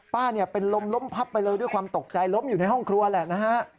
เป็นลมล้มพับไปเลยด้วยความตกใจล้มอยู่ในห้องครัวแหละนะฮะ